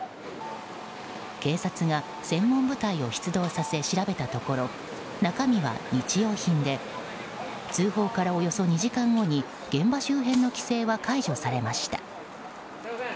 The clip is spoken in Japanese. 警察が専門部隊を出動させ調べたところ中身は日用品で通報からおよそ２時間後に現場周辺の規制は解除されました。